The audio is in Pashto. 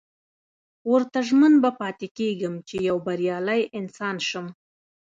ورته ژمن به پاتې کېږم چې يو بريالی انسان شم.